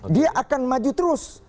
dia akan maju terus